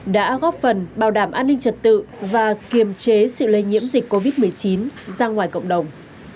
đã góp phần bảo đảm an ninh trật tự và kiềm chế sự lây nhiễm dịch covid một mươi chín ra ngoài cộng đồng